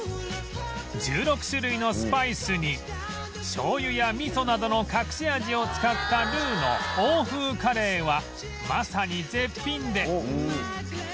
１６種類のスパイスに醤油やみそなどの隠し味を使ったルーの欧風カレーはまさに絶品で